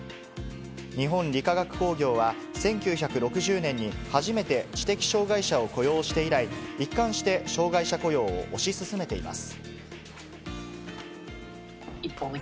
日本理化学工業は１９６０年に初めて知的障がい者を雇用して以来、一貫して障がい者雇用を推し進めています。